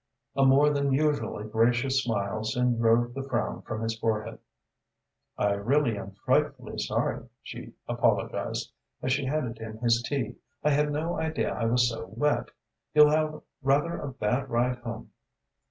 A more than usually gracious smile soon drove the frown from his forehead. "I really am frightfully sorry," she apologised, as she handed him his tea. "I had no idea I was so wet. You'll have rather a bad ride home."